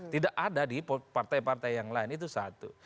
tidak ada di partai partai yang lain itu satu